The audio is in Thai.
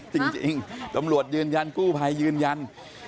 จริงตำรวจยืนยันกู้ภัยยืนยัน